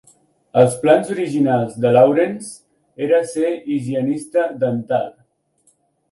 Els plans originals de Lawrence eren ser higienista dental.